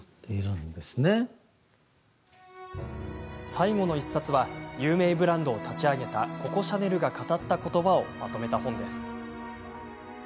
最後の１冊は有名ブランドを立ち上げたココ・シャネルが語った言葉をまとめた本です。